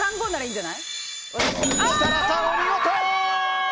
設楽さん、お見事！